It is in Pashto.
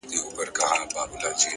صبر د ناوخته بریا ساتونکی وي,